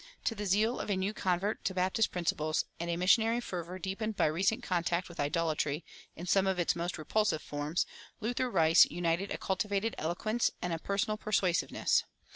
To the zeal of a new convert to Baptist principles, and a missionary fervor deepened by recent contact with idolatry in some of its most repulsive forms, Luther Rice united a cultivated eloquence and a personal persuasiveness.